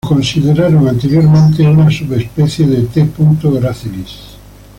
Fue anteriormente considerado una subespecie de T. gracilis.